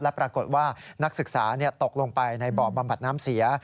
ปรากฏว่านักศึกษาตกลงไปในบ่อบำบัดน้ำเสีย